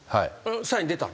サイン出たの？